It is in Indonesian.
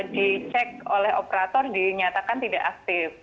dicek oleh operator dinyatakan tidak aktif